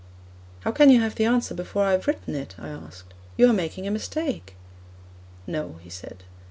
'How can you have the answer before I have written it?' I asked. 'You are making a mistake.' 'No,' he said.